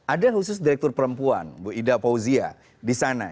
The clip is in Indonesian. ada khusus direktur perempuan bu ida fauzia di sana